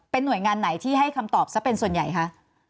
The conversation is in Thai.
หน่วยงานไหนที่ให้คำตอบซะเป็นส่วนใหญ่คะ